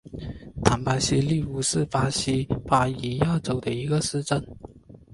唐巴西利乌是巴西巴伊亚州的一个市镇。